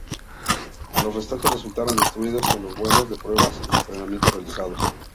Los restantes resultaron destruidos en los vuelos de pruebas y entrenamiento realizados.